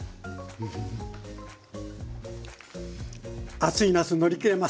暑い夏乗り切れます。